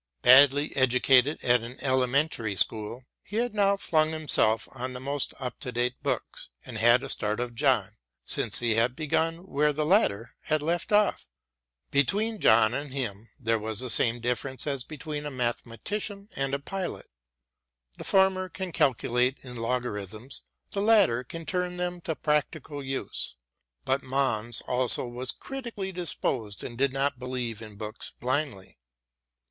Badly educated at an elementary school, he had now flung himself on the most up to date books and had a start of John, since he had begun where the latter had left off. Between John and him there was the same difference as between a mathematician and a pilot. The former can calculate in logarithms, the latter can turn them to practical use. But Måns also was critically disposed and did not believe in books blindly.